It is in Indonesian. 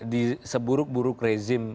di seburuk buruk rezim